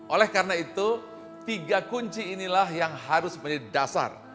oleh karena itu tiga kunci inilah yang harus menjadi dasar